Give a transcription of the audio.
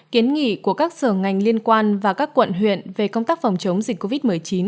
kiến nghị của các sở ngành liên quan và các quận huyện về công tác phòng chống dịch covid một mươi chín